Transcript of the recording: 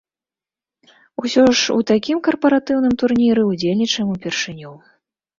Усё ж у такім карпаратыўным турніры ўдзельнічаем ўпершыню.